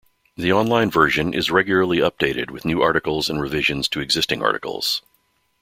The online version is regularly updated with new articles and revisions to existing articles.